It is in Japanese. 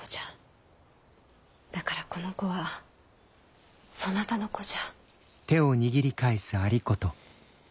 だからこの子はそなたの子じゃ。